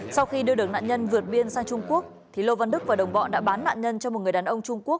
sau khi đưa được nạn nhân vượt biên sang trung quốc lô văn đức và đồng bọn đã bán nạn nhân cho một người đàn ông trung quốc